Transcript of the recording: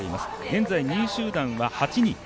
現在２位集団は８人。